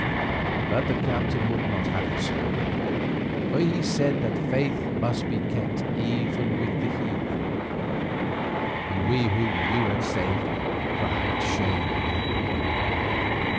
But the captain would not have it so, for he said that faith must be kept even with the heathen, and we whom you had saved cried shame on him.